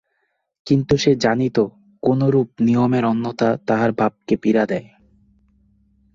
কিন্তু সে জানিত, কোনোরূপ নিয়মের অন্যথা তাহার বাপকে পীড়া দেয়।